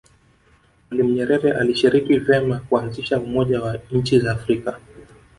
mwalimu nyerere alishiriki vema kuanzisha umoja wa nchi za afrika